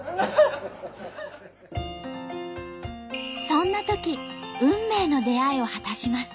そんなとき運命の出会いを果たします。